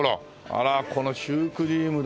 あらこのシュークリームだって。